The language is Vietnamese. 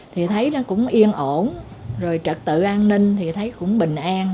thì thấy nó cũng yên ổn rồi trật tự an ninh thì thấy cũng bình an